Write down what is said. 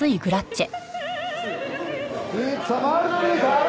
グラッチェ！